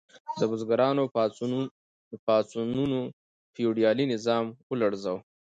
د بزګرانو پاڅونونو فیوډالي نظام ولړزاوه.